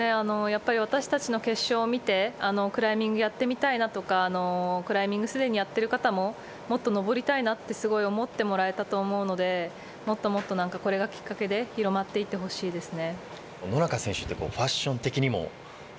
私たちの決勝を見て、クライミングをやってみたいなとか、クライミングすでにやってる方ももっと登りたいなって思ってもらえたと思うので、もっともっとこれがきっかけで広まっていってほしいですね。